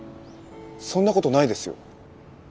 そんなことないですよ。